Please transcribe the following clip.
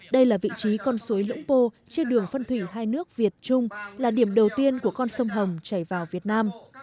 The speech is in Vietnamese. đây là vị trí con suối lũng pô chưa đường phân thủy hai nước việt trung là điểm đầu tiên của con sông hồng chảy vào việt nam